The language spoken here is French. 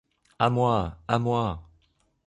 À moi! à moi !